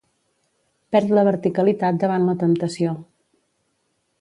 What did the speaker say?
Perd la verticalitat davant la temptació.